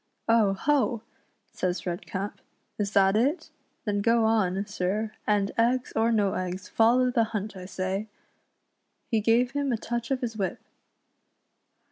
"Oh! ho!" says Redcap, "is that it .^ then go on, sir, and eggs or no eggs, follow the hunt, I say." He gave him a touch of his whip.